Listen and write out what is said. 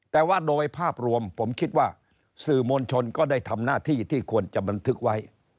แต่ว่าโดยภาพรวมผมคิดว่าสื่อมวลชนก็ได้ทำหน้าที่ที่ควรจะบันทึกไว้